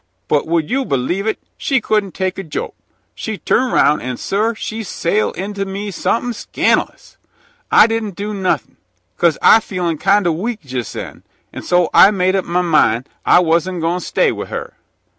But would you believe it, she couldn't take a joke. She tu'n aroun', an' sir, she sail inter me sum'in' scan'lous! I didn' do nothin', 'cause I feelin' kind o'weak jes' then an' so I made up ma min' I wasn' goin' to stay with her.